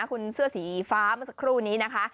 คุณเสื้อสีฟ้าเมื่อสักครู่นี้นะคะ